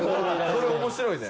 それ面白いね。